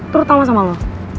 terutama sama lo